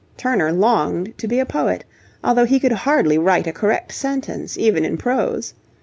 Turner longed to be a poet, although he could hardly write a correct sentence even in prose.